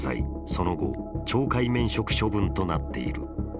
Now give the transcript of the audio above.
その後、懲戒免職処分となっている。